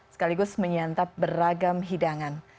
sekaligus menyantap beragam hidangan